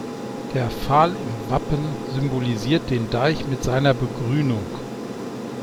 Der Pfahl im Wappen symbolisiert den Deich mit seiner Begrünung.